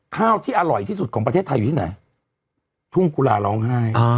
ข้าวที่อร่อยที่สุดของประเทศไทยอยู่ที่ไหนทุ่งกุลาร้องไห้